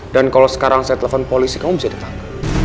dan kalau sekarang saya telepon polisi kamu bisa ditangkap